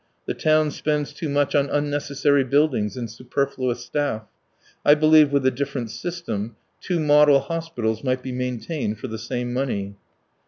The town spends too much on unnecessary buildings and superfluous staff. I believe with a different system two model hospitals might be maintained for the same money."